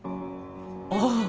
ああ。